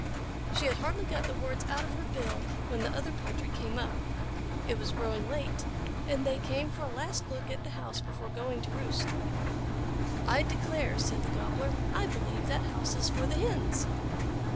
She had hardly got the words out of her bill when the other poultry came up. It was growing late, and they came for a last look at the house before going to roost. "I declare," said the Gobbler, "I believe that house is for the Hens!"